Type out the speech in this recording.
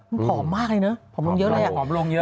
มันผอมมากเลยเนอะผอมลงเยอะแหละ